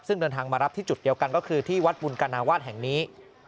ซึ่งเดินทางมารับที่จุดเดียวกันก็คือที่วัดบุญกนาวาสแห่งนี้